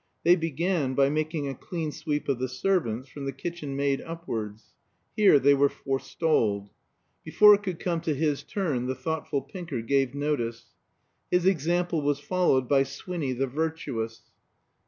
They began by making a clean sweep of the servants, from the kitchen maid upwards. Here they were forestalled. Before it could come to his turn the thoughtful Pinker gave notice. His example was followed by Swinny the virtuous.